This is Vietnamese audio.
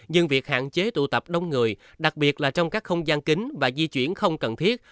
nhưng việc hạn chế tụ tập đông người đặc biệt là trong các không gian kính và di chuyển không cần thiết